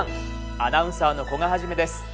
アナウンサーの古賀一です。